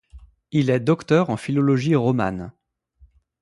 Il est docteur en philologie romane.